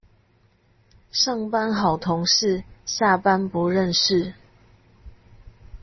上班好同事，下班不認識